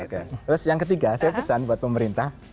terus yang ketiga saya pesan buat pemerintah